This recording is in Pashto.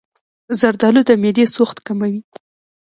زردآلو د معدې سوخت کموي.